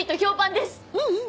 ううん。